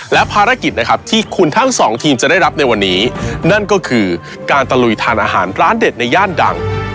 และภารกิจนะครับที่คุณทั้งสองทีมจะได้รับในวันนี้นั่นก็คือการตะลุยทานอาหารร้านเด็ดในย่านดัง